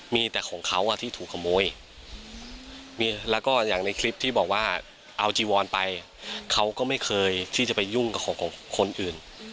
มีแต่ของเขาที่ถูกขโมยแล้วก็อย่างในคลิปที่บอกว่าเอาจีวอนไปเขาก็ไม่เคยที่จะไปยุ่งกับของคนอื่น